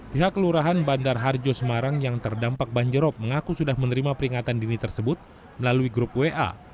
pihak kelurahan bandar harjo semarang yang terdampak banjirop mengaku sudah menerima peringatan dini tersebut melalui grup wa